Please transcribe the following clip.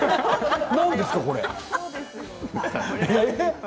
何ですか、これ。